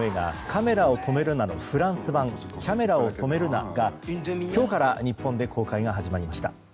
「カメラを止めるな！」のフランス版「キャメラを止めるな！」が今日から日本で公開が始まりました。